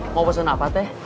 mau pesen apa teh